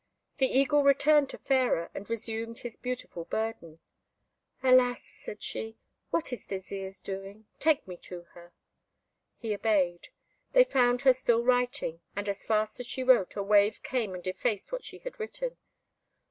The Eagle returned to Fairer, and resumed his beautiful burden. "Alas!" said she, "what is Désirs doing? Take me to her." He obeyed. They found her still writing, and as fast as she wrote, a wave came and effaced what she had written.